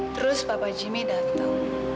terus papa jimmy datang